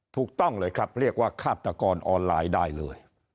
ถูกต้องเลยครับเรียกว่าฆาตกรออนไลน์ได้เลย